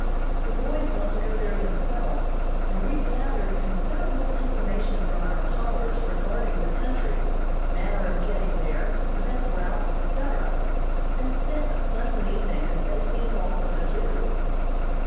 The boys want to go there themselves, and we gathered considerable information from our callers regarding the country, manner of getting there, the best route, etc., and spent a pleasant evening, as they seemed also to do.